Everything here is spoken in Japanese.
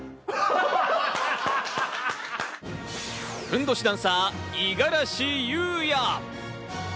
ふんどしダンサー・五十嵐ゆうや。